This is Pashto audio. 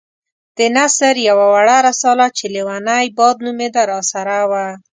د نثر يوه وړه رساله چې ليونی باد نومېده راسره وه.